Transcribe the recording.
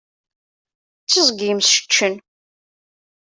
D tiẓgi yemseččen.